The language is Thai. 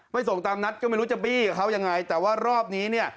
ส่งตามนัดก็ไม่รู้จะบี้กับเขายังไงแต่ว่ารอบนี้เนี่ย